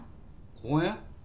公園？